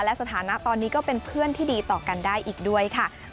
และสถานะตอนนี้ก็เป็นเพื่อนที่ดีต่อกันได้อีกด้วยค่ะ